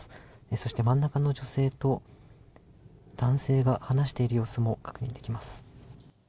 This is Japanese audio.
そして真ん中の女性と男性が話している様子も確認できます。